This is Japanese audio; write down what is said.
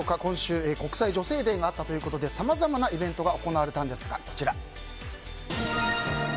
今週、国際女性デーがあったということでさまざまなイベントが行われました。